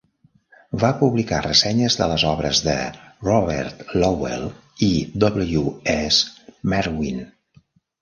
Va publicar ressenyes de les obres de Robert Lowell i W. S. Merwin.